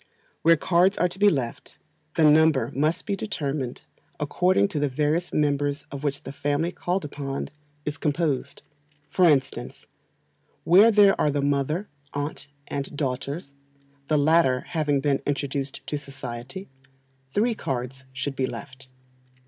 Where cards are to be left, the number must be determined according to the various members of which the family called upon is composed. For instance, where there are the mother, aunt, and daughters (the latter having been introduced to society), three cards should be left.